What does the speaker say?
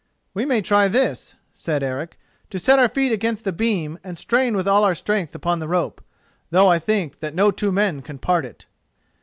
"We may try this," said Eric: "to set our feet against the beam and strain with all our strength upon the rope; though I think that no two men can part it."